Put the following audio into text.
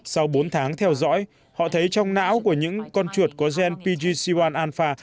sau bốn tháng theo dõi họ thấy trong não của những con chuột có gen pgc một alpha